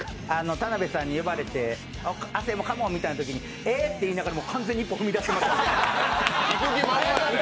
田邊さんに呼ばれて亜生もカモーンみたいなときにえって言いながらも完全に一歩踏み出してました。